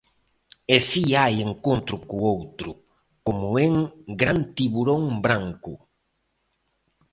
E si hai encontro co Outro, como en 'Gran tiburón branco'.